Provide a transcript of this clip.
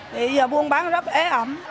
thì giờ buôn bán rất ế ẩm